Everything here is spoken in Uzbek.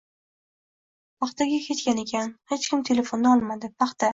paxtaga ketgan ekan, hech kim telefonni olmadi. Paxta